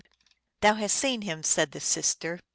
1 " Thou hast seen him," said the sister.